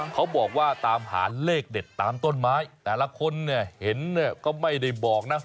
เขาบอกว่าตามหาเลขเด็ดตามต้นไม้แต่ละคนเนี่ยเห็นเนี่ยก็ไม่ได้บอกนะ